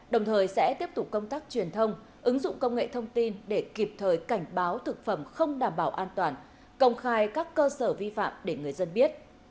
đồng thời sẽ tiếp tục công tác truyền thông ứng dụng công nghệ thông tin để kịp thời cảnh báo thực phẩm không đảm bảo an toàn công khai các cơ sở vi phạm để người dân biết